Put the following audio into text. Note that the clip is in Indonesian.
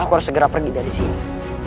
harus segera pergi dari sini